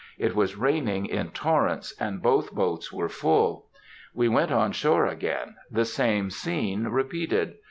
It was raining in torrents, and both boats were full. We went on shore again; the same scene repeated.